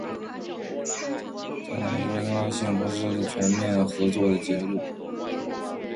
通过多域联合作战，包括陆、空、海、电磁等领域，加快对抗能力的调整和提高准确性，同时利用全面联合作战的结果，加强对抗能力。